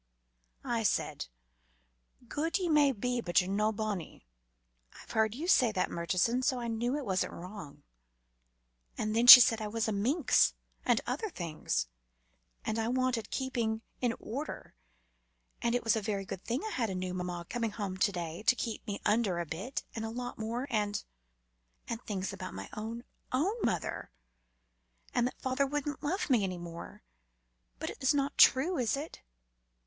"I said, 'Guid ye may be, but ye're no bonny' I've heard you say that, Murchison, so I know it wasn't wrong, and then she said I was a minx, and other things, and I wanted keeping in order, and it was a very good thing I had a new mamma coming home to day, to keep me under a bit, and a lot more and and things about my own, own mother, and that father wouldn't love me any more. But it's not true, is it?